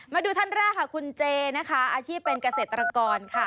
มาดูท่านแรกค่ะคุณเจนะคะอาชีพเป็นเกษตรกรค่ะ